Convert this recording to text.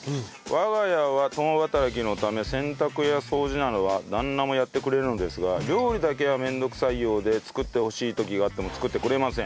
我が家は共働きのため洗濯や掃除などは旦那もやってくれるのですが料理だけは面倒くさいようで作ってほしい時があっても作ってくれません。